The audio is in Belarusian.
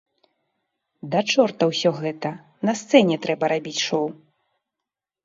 Да чорта ўсё гэта, на сцэне трэба рабіць шоў!